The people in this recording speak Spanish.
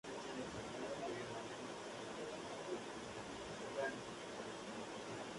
Todos los cargos, incluyendo la presidencia, son honorarios y sin retribución económica.